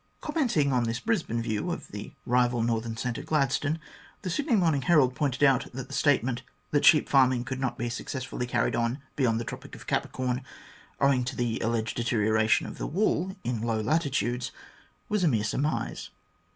Commenting on this Brisbane view of the rival northern centre, Gladstone, the Sydney Morning Herald pointed out that the statement that sheep farming could not be success fully carried on beyond the Tropic of Capricorn, owing to the alleged deterioration of the wool in low latitudes, was a mere surmise.